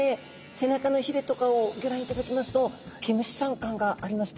背中のヒレとかをギョ覧いただきますと毛虫さん感がありますでしょうか。